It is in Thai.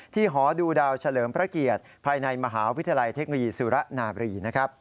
หอดูดาวเฉลิมพระเกียรติภายในมหาวิทยาลัยเทคโนโลยีสุระนาบรีนะครับ